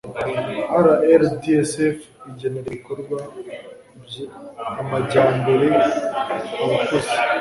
RLDSF igenera ibikorwa by amajyambere abakuze